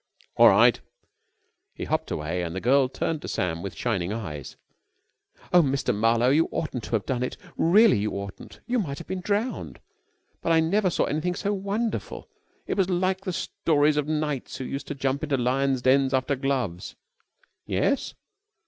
"All right." He hopped away and the girl turned to Sam with shining eyes. "Oh, Mr. Marlowe, you oughtn't to have done it! Really, you oughtn't! You might have been drowned! But I never saw anything so wonderful. It was like the stories of knights who used to jump into lions' dens after gloves!" "Yes?"